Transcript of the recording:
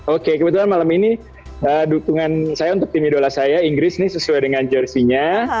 oke kebetulan malam ini dukungan saya untuk tim idola saya inggris ini sesuai dengan jersinya